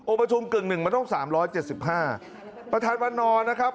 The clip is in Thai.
องค์ประชุมกึ่งหนึ่งมันต้อง๓๗๕ประธานวันนอลนะครับ